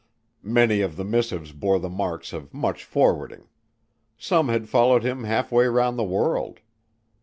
many of the missives bore the marks of much forwarding. Some had followed him half way around the world.